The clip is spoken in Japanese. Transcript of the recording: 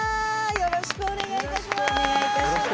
よろしくお願いします。